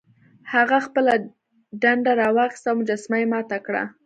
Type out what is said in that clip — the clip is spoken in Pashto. هغه خپله ډنډه راواخیسته او مجسمه یې ماته کړه.